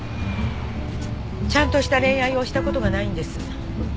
ちゃんとした恋愛をしたことがないんです。